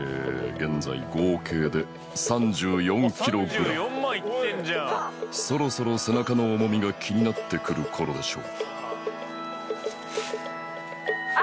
現在合計で３４ｋｇそろそろ背中の重みが気になってくるころでしょうあ